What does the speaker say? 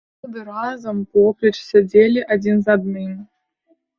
Заўсёды разам, поплеч сядзелі адзін з адным.